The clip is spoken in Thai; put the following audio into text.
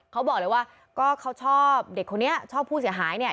เขาบอกเลยว่าก็เขาชอบเด็กคนนี้ชอบผู้เสียหายเนี่ย